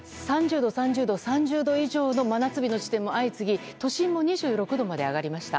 ３０度以上の真夏日の地点も相次ぎ都心も２６度まで上がりました。